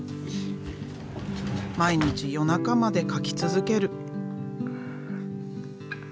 毎日夜中まで描き続ける。